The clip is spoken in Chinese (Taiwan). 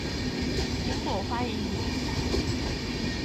蘋果歡迎你